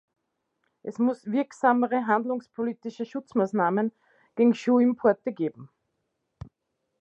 Es muss wirksamere handelspolitische Schutzmaßnahmen gegen Schuhimporte geben.